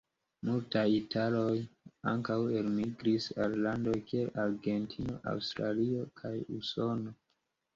Multaj italoj ankaŭ elmigris al landoj kiel Argentino, Aŭstralio kaj Usono.